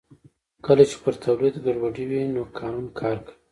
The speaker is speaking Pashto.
کله چې پر تولید ګډوډي وي نو قانون کار کوي